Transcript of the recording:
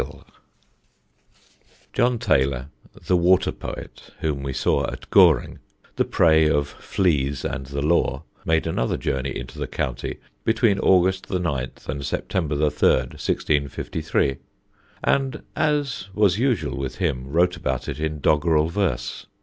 [Sidenote: EASTBOURNE RUG] John Taylor the water Poet, whom we saw, at Goring, the prey of fleas and the Law, made another journey into the county between August 9th and September 3rd, 1653, and as was usual with him wrote about it in doggerel verse.